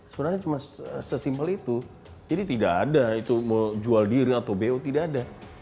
sebenarnya cuma sesimpel itu jadi tidak ada itu jual diri atau bo tidak ada